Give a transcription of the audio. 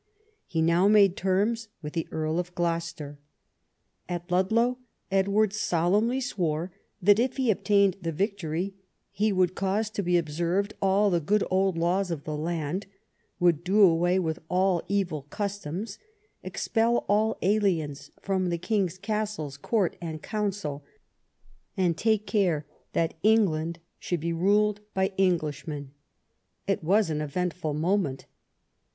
He now made terms with the Earl of Gloucester. At Ludlow Edward solemnly swore that, if he obtained the victory, he would cause to be observed all the good old laws of the land, would do away with all evil customs, expel all aliens from the king's castles, court, and council, and take care that England should be ruled by English men. It was an eventful moment.